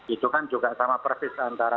itu kan juga sama persis antara